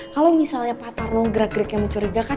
kalau misalnya pak tarno gerak geriknya mencurigakan